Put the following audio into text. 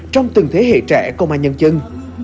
trong từng thế hệ trẻ công an nhân dân